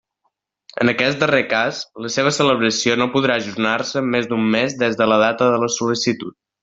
En aquest darrer cas, la seva celebració no podrà ajornar-se més d'un mes des de la data de la sol·licitud.